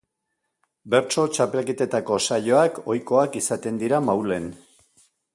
Bertso Txapelketetako saioak ohikoak izaten dira Maulen.